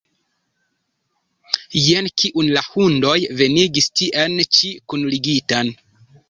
Jen kiun la hundoj venigis tien ĉi kunligitan!